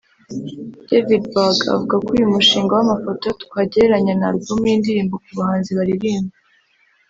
Davidberg avuga ko uyu mushinga w’amafoto twagereranya na Album y’indirimbo ku bahanzi baririmba